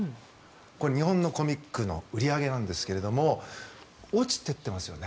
これ、日本のコミックの売り上げ落ちてってますよね。